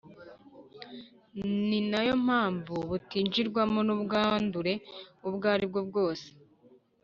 ni na yo mpamvu butinjirwamo n’ubwandure ubwo ari bwo bwose.